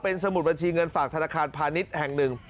สมุดบัญชีเงินฝากธนาคารพาณิชย์แห่งหนึ่ง